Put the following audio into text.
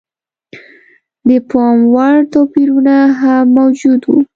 د پاموړ توپیرونه هم موجود و.